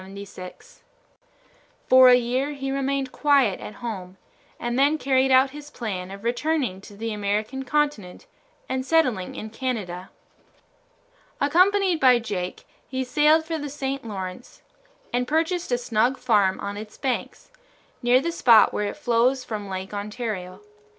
For a year he remained quiet at home, and then carried out his plan of returning to the American continent and settling in Canada. Accompanied by Jake, he sailed for the St. Lawrence and purchased a snug farm on its banks, near the spot where it flows from Lake Ontario.